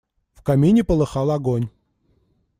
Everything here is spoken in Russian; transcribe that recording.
В камине полыхал огонь.